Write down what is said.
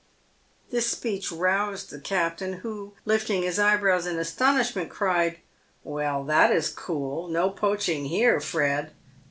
This speech roused the captain, who, lifting his eyebrows in asto nishment, cried, " Well, that is cool ! No poaching here, Fred."